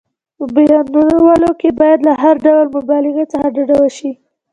په بیانولو کې باید له هر ډول مبالغې څخه ډډه وشي.